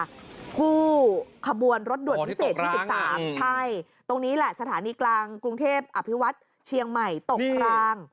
คู่ขบวนรถด่วนพิเศษที่๑๓ใช่ตรงนี้แหละสถานีกลางกรุงเทพอภิวัฒน์เชียงใหม่ตกกลาง